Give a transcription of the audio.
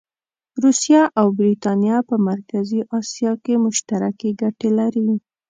روسیه او برټانیه په مرکزي اسیا کې مشترکې ګټې لري.